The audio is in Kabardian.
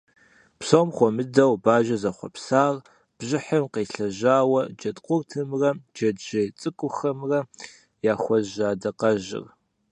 Псом хуэмыдэу бажэр зэхъуэпсар бжыхьым къелъэжауэ джэдкъуртымрэ джэджьей цӀыкӀухэмрэ яхуэжэ адакъэжьырт.